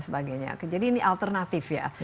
sebagainya jadi ini alternatif ya